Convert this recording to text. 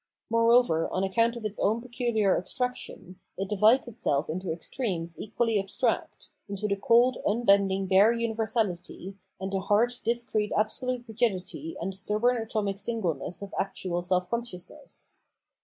Moreover on account of its own pecuhar abstraction, it divides itself into extremes equally abstract, into the cold unbending bare universahty, and the hard discrete absolute rigidity and stubborn atomic singleness of actual self consciousness.